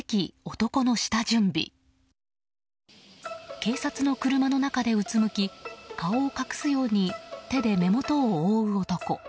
警察の車の中でうつむき顔を隠すように手で目元を覆う男。